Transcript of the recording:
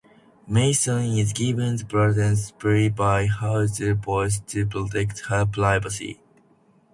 Mason is given the pseudonym "Sybil" by her therapist to protect her privacy.